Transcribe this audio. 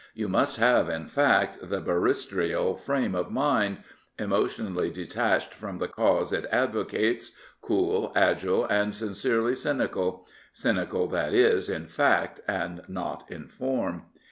You must have, in fact, the barristerial frame of mind, emotionally detached from the cause it advocates, cool, agile, and sincerely cynical — cynical, that is, in fe^t^fand not in form.